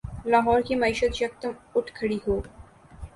لاہور کی معیشت یکدم اٹھ کھڑی ہو۔